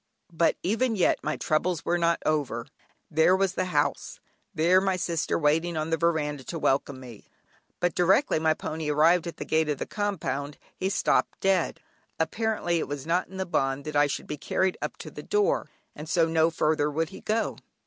But even yet my troubles were not over. There was the house, there my sister waiting in the veranda to welcome me, but directly my pony arrived at the gate of the compound he stopped dead. Apparently it was not in the bond that I should be carried up to the door, and so no further would he go.